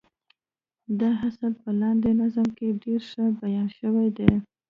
دا اصل په لاندې نظم کې ډېر ښه بيان شوی دی.